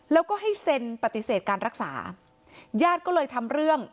แล้วก็ให้เซ็นปฏิเสธการรักษาญาติก็เลยทำเรื่อง